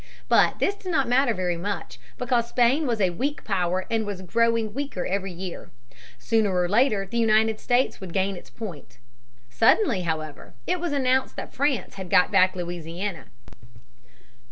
But this did not matter very much, because Spain was a weak power and was growing weaker every year. Sooner or later the United States would gain its point. Suddenly, however, it was announced that France had got back Louisiana.